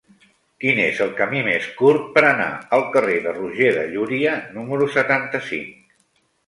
Quin és el camí més curt per anar al carrer de Roger de Llúria número setanta-cinc?